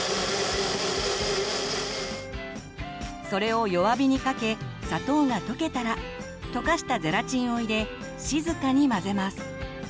それを弱火にかけ砂糖が溶けたら溶かしたゼラチンを入れ静かに混ぜます。